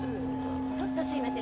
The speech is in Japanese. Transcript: ちょっとすいません